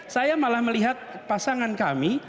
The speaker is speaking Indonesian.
saya malah melihat pasangan kami